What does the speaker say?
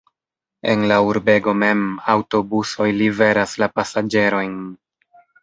En la urbego mem aŭtobusoj liveras la pasaĝerojn.